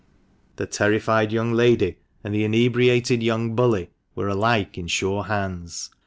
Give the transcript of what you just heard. The terrified young lady and the inebriated young bully were alike in sure hands.